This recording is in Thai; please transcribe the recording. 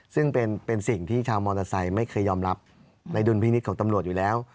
ซึ่งเป็นสิ่งที่ชาวมอเตอร์ไซค์ไม่เคยยอมรับในดุลพินิษฐ์ของตำรวจอยู่แล้ว